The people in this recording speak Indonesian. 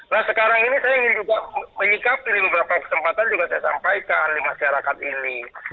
nah sekarang ini saya ingin juga menyikapi di beberapa kesempatan juga saya sampaikan di masyarakat ini